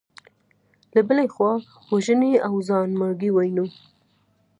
له بلې خوا وژنې او ځانمرګي وینو.